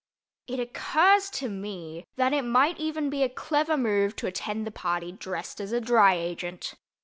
It occurs to me that it might even be a clever move to attend the party dressed as a Dry Agent.